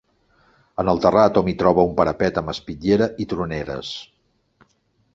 En el terrat hom hi troba un parapet amb espitllera i troneres.